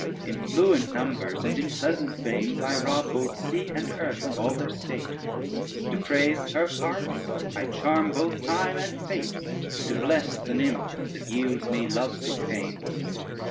In fluent numbers, and in pleasant veins, I rob both sea and earth of all their state, To praise her parts: I charm both time and fate, To bless the nymph that yields me lovesick pains.